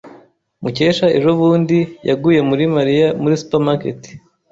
Mukesha ejobundi yaguye muri Mariya muri supermarket.